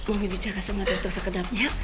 mami bicara sama dokter segedapnya